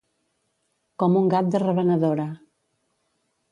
Com un gat de revenedora.